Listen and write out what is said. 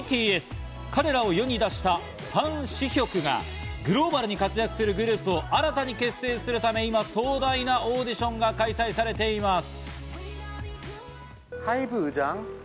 彼らを世に出したパン・シヒョクがグローバルに活躍するグループを新たに結成するため、今、壮大なオーディションが開催されています。